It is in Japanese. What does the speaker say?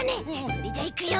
それじゃいくよ。